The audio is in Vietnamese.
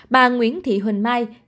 bà nguyễn thị huỳnh mai